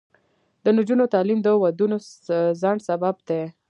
د نجونو تعلیم د ودونو ځنډ سبب دی.